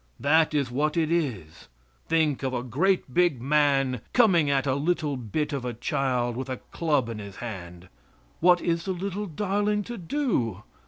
That is what it is. Think of a great big man coming at a little bit of a child with a club in his hand! What is the little darling to do?